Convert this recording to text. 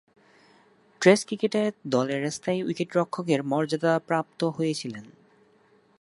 Test ক্রিকেটে দলের স্থায়ী উইকেট-রক্ষকের মর্যাদাপ্রাপ্ত হয়েছিলেন।